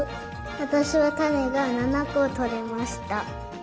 わたしはたねが７ことれました。